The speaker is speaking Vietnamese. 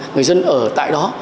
người dân ở tại đó